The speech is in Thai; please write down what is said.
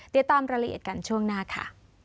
ติดตามรายละเอียดกันช่วงหน้าค่ะ